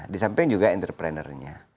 di samping juga entrepreneur nya